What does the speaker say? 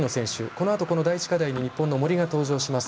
このあと第１課題に日本の森が登場します。